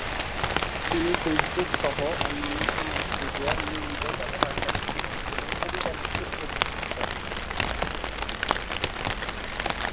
তিনি ফেসবুক সহ অন্যান্য সামাজিক মিডিয়ার নিয়মিত ব্যবহারকারী ছিলেন, এবং কবিতা লিখতে উপভোগ করতেন।